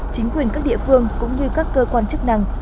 chính quyền các địa phương cũng như các cơ quan chức năng